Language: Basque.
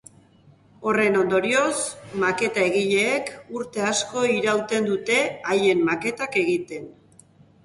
Horren ondorioz, maketa-egileek urte asko irauten dute haien maketak egiten.